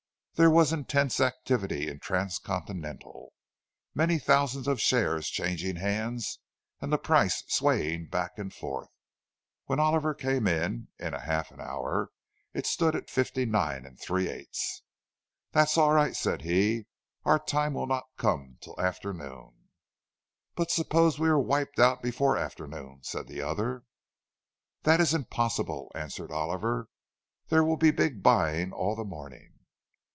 There was intense activity in Transcontinental, many thousands of shares changing hands, and the price swaying back and forth. When Oliver came in, in half an hour, it stood at 59 3/8. "That's all right," said he. "Our time will not come till afternoon." "But suppose we are wiped out before afternoon?" said the other. "That is impossible," answered Oliver. "There will be big buying all the morning."